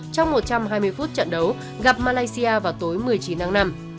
trong một trăm hai mươi phút trận đấu gặp malaysia vào tối một mươi chín tháng năm